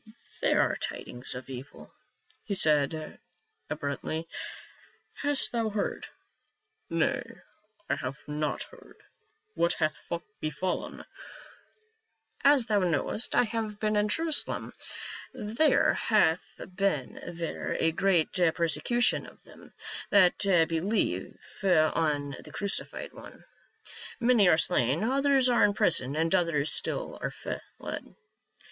" There are tidings of evil," he said ab ruptly. " Hast thou heard ?"" Nay, I have not heard ; what hath befallen?" THE VISION ON THE HOUSETOP. 15 " As thou knowcst, I have been in Jerusalem ; there hath been there a great persecution of them that be lieve on the Crucified One. Many are slain ; others are in prison, and others still are fled."